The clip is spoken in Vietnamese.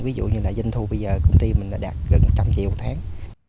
ví dụ như là doanh thu bây giờ công ty mình đã đạt gần một trăm linh triệu tháng